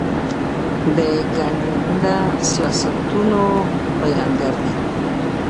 د ګنده سیاستونو بیانګر دي.